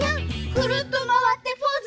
くるっとまわってポーズ！